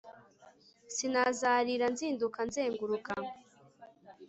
sinazarira nzinduka nzenguruka